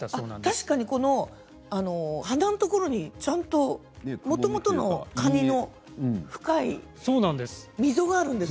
確かに鼻のところにちゃんと、もともとのカニの深い溝があるんです。